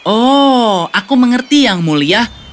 oh aku mengerti tuhan